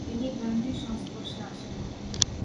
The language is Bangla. তিনি গান্ধীর সংস্পর্শে আসেন।